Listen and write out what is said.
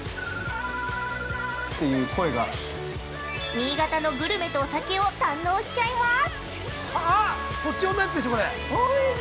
◆新潟のグルメとお酒を堪能しちゃいます！